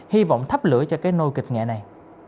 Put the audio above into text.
hy vọng thắp lửa cho cái nô kịch nghệ này